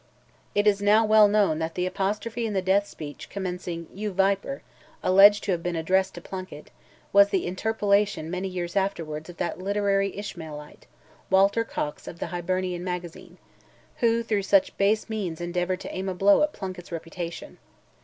It is now well known that the apostrophe in the death speech, commencing "you viper," alleged to have been addressed to Plunkett, was the interpolation many years afterwards of that literary Ishmaelite—Walter Cox of the Hibernian Magazine,—who through such base means endeavoured to aim a blow at Plunkett's reputation.